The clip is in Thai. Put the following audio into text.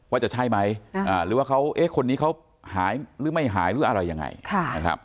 จะใช่ไหมหรือว่าเขาเอ๊ะคนนี้เขาหายหรือไม่หายหรืออะไรยังไงนะครับ